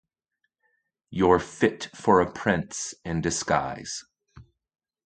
You’re fit for a prince in disguise.